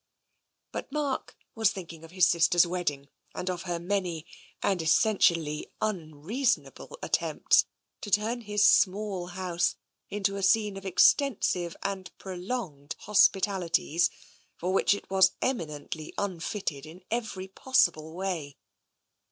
But Mark was thinking of his sister's wedding and of her many, and essentially unreasonable, attempts to turn his small house into a scene of extensive and prolonged hospitalities for which it was eminently un fitted in every possible way.